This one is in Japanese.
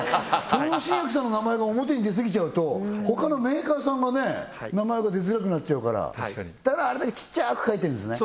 東洋新薬さんの名前が表に出過ぎちゃうと他のメーカーさんがね名前が出づらくなっちゃうからだからあれだけちっちゃく書いてるんですね